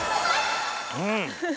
うん。